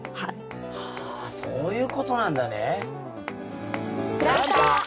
はあそういうことなんだね。